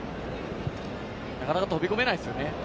なかなか飛び込めないですよね。